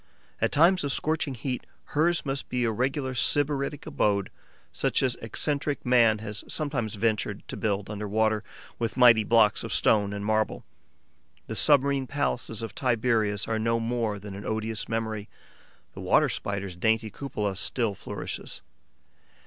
At times of scorching heat, hers must be a regular sybaritic abode, such as eccentric man has sometimes ventured to build under water, with mighty blocks of stone and marble. The submarine palaces of Tiberius are no more than an odious memory; the Water Spider's dainty cupola still flourishes.